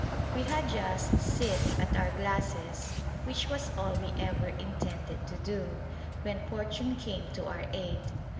We had just sipped at our glasses, which was all we ever intended to do, when fortune came to our aid.